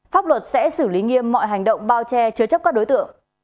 pháp luật sẽ xử lý nghiêm mọi hành động bao che chứa chấp các đối tượng